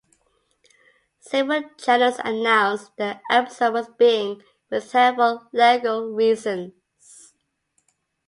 Several channels announced the episode was being withheld for legal reasons.